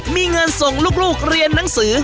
มีเงินส่งลูกเรียนหนังสือ